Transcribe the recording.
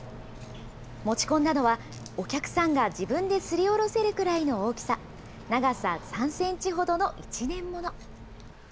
持ち込んだのは、お客さん自分ですりおろせるくらいの大きさ、長さ３センチほどの１年物。